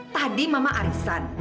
tadi mama arisan